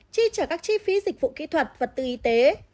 chi trả các chi phí dịch vụ kỹ thuật vật tư y tế